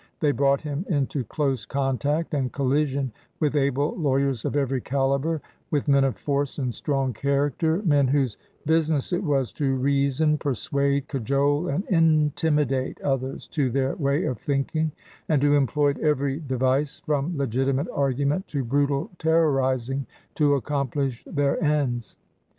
They brought him into close contact and collision with able lawyers of every caliber, with men of force and strong character, men whose business it was to reason, persuade, cajole, and intimidate others to their way of thinking, and who employed every de vice, from legitimate argument to brutal ter rorizing, to accomplish their ends.